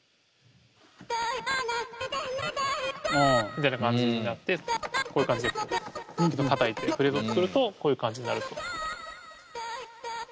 みたいな感じになってこういう感じでたたいてフレーズを作るとこういう感じになると。